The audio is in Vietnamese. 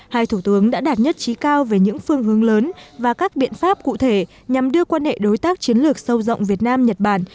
hai thủ tướng đã đạt nhất trí cao về những phương hướng lớn và các biện pháp cụ thể nhằm đưa quan hệ đối tác chiến lược sâu rộng việt nam nhật bản